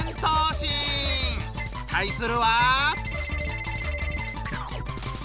対するは。